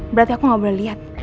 berarti aku gak boleh lihat